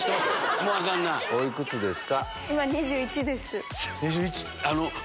おいくつですか？